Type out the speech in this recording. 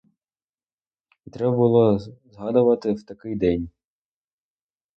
І треба було згадувати в такий день!